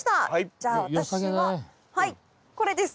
じゃあ私はこれです。